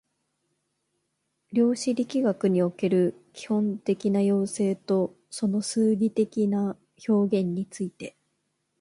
量子力学における基本的な要請とその数理的な表現について